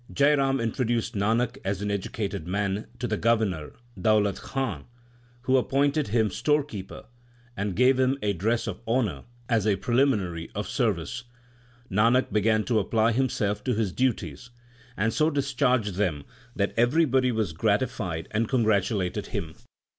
Jai Ram introduced Nanak as an educated man \ to the Governor, Daulat Khan, who appointed him storekeeper and gave him a dress of honour / as a preliminary of service. Nanak began to apply himself to his duties, and so discharged them that everybody was gratified and congratulated him.